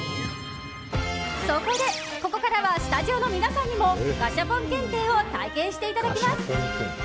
そこで、ここからはスタジオの皆さんにもガシャポン検定を体験していただきます。